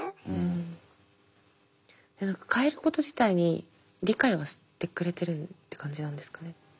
変えること自体に理解はしてくれてるって感じなんですかね？